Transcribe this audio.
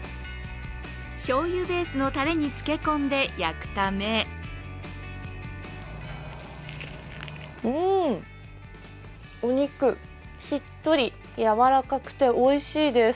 しょうゆベースのたれに漬け込んで焼くためうん、お肉、しっとりやわらかくて、おいしいです。